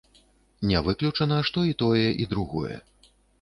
Не выключана, што і тое і другое.